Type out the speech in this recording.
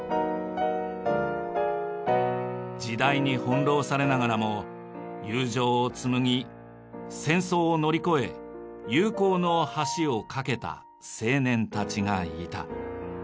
時代に翻弄されながらも友情を紡ぎ戦争を乗り越え友好の橋を架けた青年たちがいた。